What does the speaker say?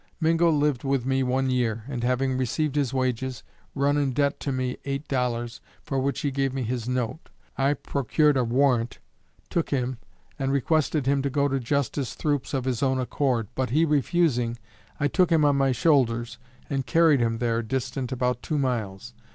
Mingo lived with me one year, and having received his wages, run in debt to me eight dollars, for which he gave me his note. I procured a warrant, took him, and requested him to go to Justice Throop's of his own accord, but he refusing, I took him on my shoulders, and carried him there, distant about two miles.